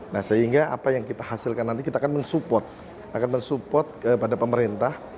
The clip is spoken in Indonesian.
nah sehingga apa yang kita hasilkan nanti kita akan mensupport kepada pemerintah